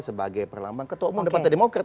sebagai perlambangan ketua umum depan terdemokrat